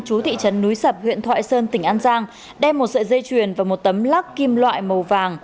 chú thị trấn núi sập huyện thoại sơn tỉnh an giang đem một sợi dây chuyền và một tấm lác kim loại màu vàng